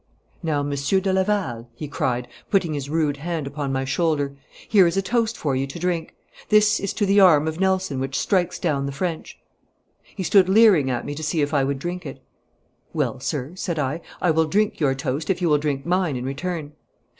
'Now, Monsieur de Laval,' he cried, putting his rude hand upon my shoulder, 'here is a toast for you to drink. This is to the arm of Nelson which strikes down the French.' He stood leering at me to see if I would drink it. 'Well, sir,' said I, 'I will drink your toast if you will drink mine in return.'